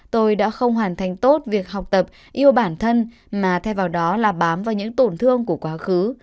tôi đã không hoàn thành tốt việc học tập yêu bản thân mà thay vào đó là bám vào những tổn thương của quá khứ